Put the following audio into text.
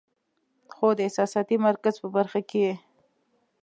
خو د احساساتي مرکز پۀ برخه کې ئې